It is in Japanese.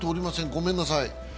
ごめんなさい。